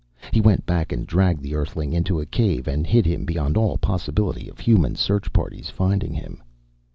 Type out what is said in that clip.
He went back and dragged the Earthling into a cave and hid him beyond all possibility of human search parties finding him.